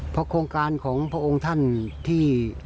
เพราะโครงการของพระองค์ท่านที่